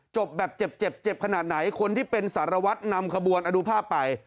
จบแบบเจ็บเจ็บขนาดไหนคนที่เป็นสารวัตรนำขบวนดูภาพไป